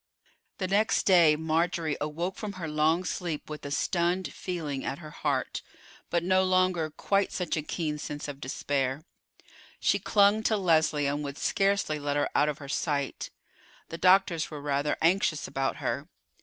The next day Marjorie awoke from her long sleep with a stunned feeling at her heart, but no longer quite such a keen sense of despair. She clung to Leslie, and would scarcely let her out of her sight. The doctors were rather anxious about her.